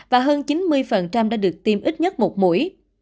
và hơn chín mươi đã được tiêm ít nhất một mũi